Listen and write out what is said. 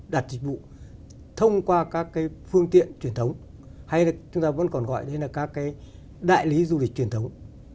đặt dịch vụ thông qua các phương tiện truyền thống hay là chúng ta vẫn còn gọi đây là các đại lý du lịch truyền thống